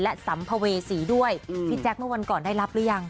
และสัมภเวษีด้วยพี่แจ๊คเมื่อวันก่อนได้รับหรือยัง